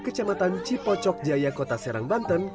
kecamatan cipocok jaya kota serang banten